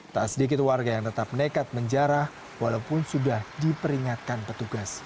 tak sedikit warga yang tetap nekat menjarah walaupun sudah diperingatkan petugas